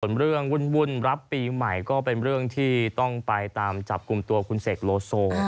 ส่วนเรื่องวุ่นรับปีใหม่ก็เป็นเรื่องที่ต้องไปตามจับกลุ่มตัวคุณเสกโลโซ